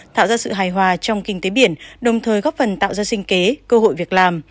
tạo ra sự hài hòa trong kinh tế biển đồng thời góp phần tạo ra sinh kế cơ hội việc làm